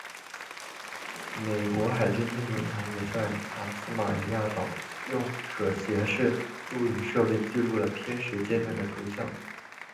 美国海军天文台也在塔斯马尼亚岛用可携式录影设备记录了偏食阶段的图像。